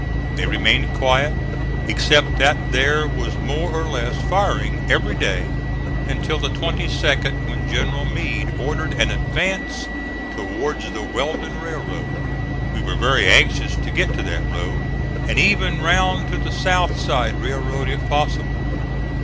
They remained quiet, except that there was more or less firing every day, until the 22d, when General Meade ordered an advance towards the Weldon Railroad. We were very anxious to get to that road, and even round to the South Side Railroad if possible.